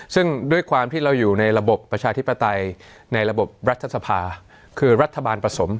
ซึ่งด้วยความที่เราอยู่ในระบบประชาธิปไตยในระบบรัฐสภาคือรัฐบาลผสม